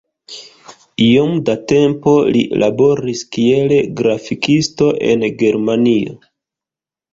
Iom da tempo li laboris kiel grafikisto en Germanio.